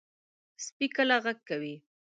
سپي کله غږ کوي.